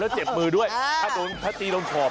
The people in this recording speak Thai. แล้วเจ็บมือด้วยถ้าตีลงขอบ